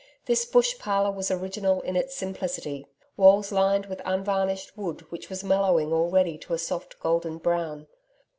This bush parlour was original in its simplicity. Walls lined with unvarnished wood which was mellowing already to a soft golden brown.